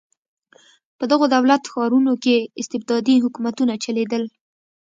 په دغو دولت ښارونو کې استبدادي حکومتونه چلېدل.